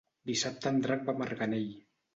Dissabte en Drac va a Marganell.